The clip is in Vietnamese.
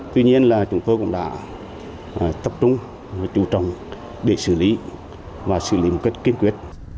tuy nhiên là chúng tôi cũng đã tập trung và trụ trọng để xử lý và xử lý một cách kiên quyết